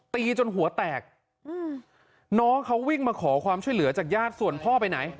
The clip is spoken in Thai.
ตีจนหัวแตกน้องเขาวิ่งมาขอความช่วยเหลือจากญาติส่วนพ่อไปไหน